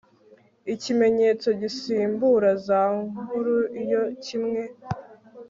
ikimenyetso gisimbura za nkuru iyo kimwe